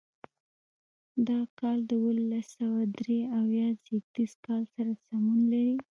دا کال د اوولس سوه درې اویا زېږدیز کال سره سمون لري.